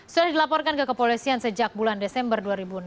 sudah dilaporkan ke kepolisian sejak bulan desember dua ribu enam belas